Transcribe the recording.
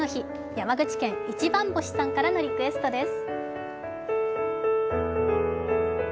山口県、いちばん星さんからのリクエストです。